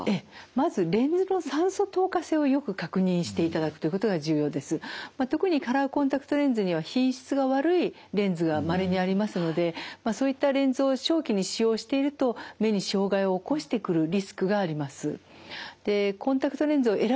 まあ特にカラーコンタクトレンズには品質が悪いレンズがまれにありますのでそういったレンズを長期に使用していると目に障害を起こしてくるリスクがあります。